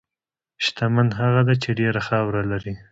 شتمن هغه دی چې ډېره خاوره لري.